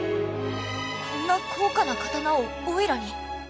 こんな高価な刀をおいらに？